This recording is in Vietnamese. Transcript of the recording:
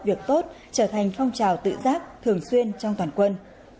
việc tốt trở thành phong trào tự giác thường xuyên trong toàn quân